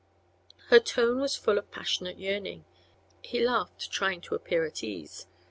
Her tone was full of passionate yearning. He laughed, trying to appear at ease.